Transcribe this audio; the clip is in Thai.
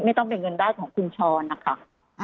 ต้องเป็นเงินได้ของคุณชรนะคะ